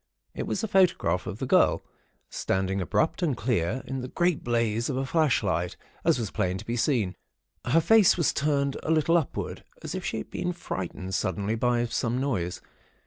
It was a photograph of the girl, standing abrupt and clear in the great blaze of a flashlight, as was plain to be seen. Her face was turned a little upward, as if she had been frightened suddenly by some noise.